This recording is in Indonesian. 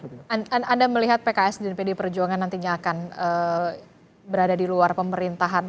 anda melihat pks dan pd perjuangan nantinya akan berada di luar pemerintahan